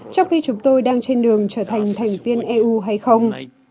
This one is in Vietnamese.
trong khi chúng tôi đang trên đường trở thành thành viên eu hay không